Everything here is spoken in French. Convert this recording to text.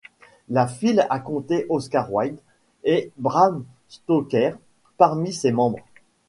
La Phil a compté Oscar Wilde et Bram Stoker parmi ses membres.